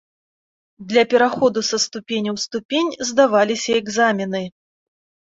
Для пераходу са ступені ў ступень здаваліся экзамены.